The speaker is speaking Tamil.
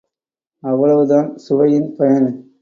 அவ்வளவுதான் சுவையின் பயன்.